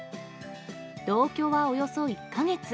同居はおよそ１か月。